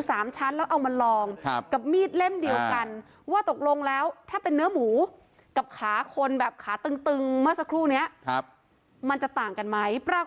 อาจารย์ทุบเองแรงมาก